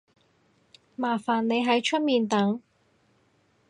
麻煩你喺出面等